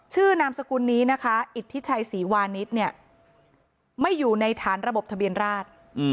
นามสกุลนี้นะคะอิทธิชัยศรีวานิสเนี่ยไม่อยู่ในฐานระบบทะเบียนราช